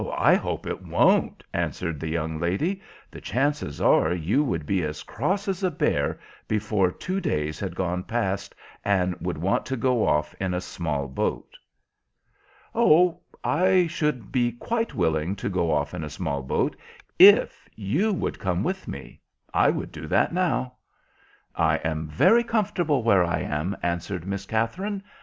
"I hope it won't," answered the young lady; "the chances are you would be as cross as a bear before two days had gone past, and would want to go off in a small boat." "Oh, I should be quite willing to go off in a small boat if you would come with me. I would do that now." "I am very comfortable where I am," answered Miss Katherine.